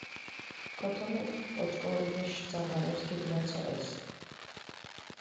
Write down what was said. ქოთომეფქ ოჭკორიეშ ძაღარეფს ქიგლაცოჸეს.